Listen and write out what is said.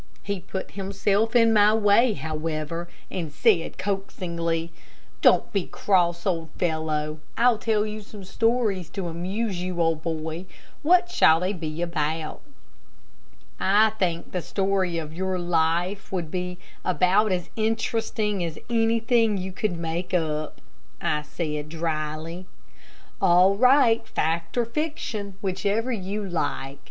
He put himself in my way, however, and said, coaxingly, "Don't be cross, old fellow. I'll tell you some stories to amuse you, old boy. What shall they be about?" "I think the story of your life would be about as interesting as anything you could make up," I said, dryly. "All right, fact or fiction, whichever you like.